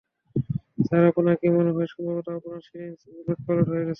Sir, আপনার কি মনে হয় না সম্ভবত আপনার সিরিঞ্জ উলট-পালট হয়ে গেছে?